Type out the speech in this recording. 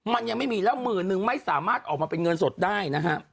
มันยังไม่มีแล้วหมื่นนึงไม่สามารถออกมาเป็นเงินสดได้นะฮะ